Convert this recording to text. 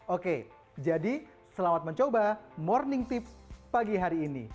oke jadi selamat mencoba morning tips pagi hari ini